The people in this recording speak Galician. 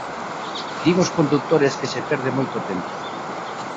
Din os condutores que se perde moito tempo.